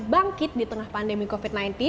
bangkit di tengah pandemi covid sembilan belas